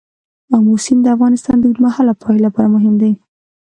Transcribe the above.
آمو سیند د افغانستان د اوږدمهاله پایښت لپاره مهم دی.